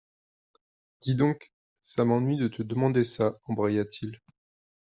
Dis donc, ça m’ennuie de te demander ça, embraya-t-il